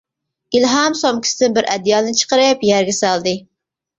ئىلھام سومكىسىدىن بىر ئەدىيالنى چىقىرىپ يەرگە سالدى.